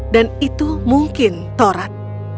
dan itu mungkin torad